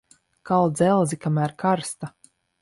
Kal dzelzi, kamēr karsta.